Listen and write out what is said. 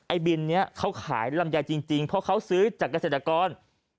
บินนี้เขาขายลำไยจริงเพราะเขาซื้อจากเกษตรกร